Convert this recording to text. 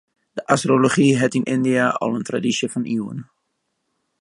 De astrology hat yn Yndia al in tradysje fan iuwen.